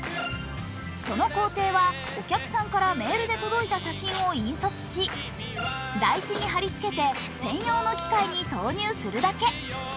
その工程はお客さんからメールで届いた写真を印刷し、台紙に貼りつけて、専用の機械に投入するだけ。